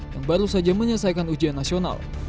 yang baru saja menyelesaikan ujian nasional